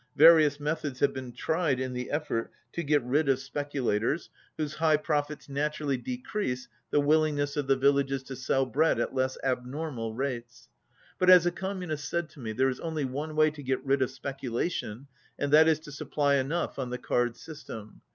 Various methods have been tried in the effort to get rid of specu 41 lators, whose high profits naturally decrease the willingness of the villages to sell bread at less abnormal rates. But as a Communist said to me, "There is only one way to get rid of speculation, and that is to supply enough on the card system.